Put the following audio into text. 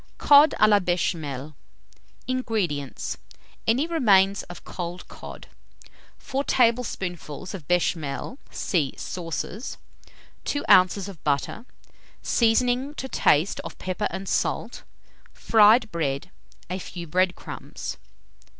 COD A LA BECHAMEL. 239. INGREDIENTS. Any remains of cold cod, 4 tablespoonfuls of béchamel (see Sauces), 2 oz. butter; seasoning to taste of pepper and salt; fried bread, a few bread crumbs.